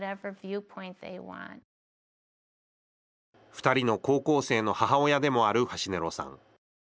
２人の高校生の母親でもあるファシネロさん。